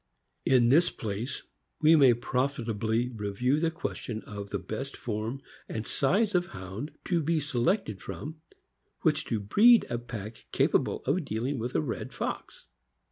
In this place we may profitably review the question of the best form and size of Hound to be selected from which to breed a pack capable of dealing with a red fox.